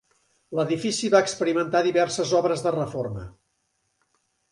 L'edifici va experimentar diverses obres de reforma.